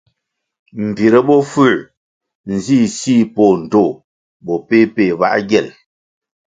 Mbvire bofuē nzih sih poh ndtoh bo peh-peh bā gyel.